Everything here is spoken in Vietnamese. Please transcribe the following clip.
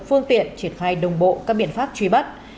phương tiện triển khai đồng bộ các biện pháp truy bắt